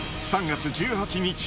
３月１８日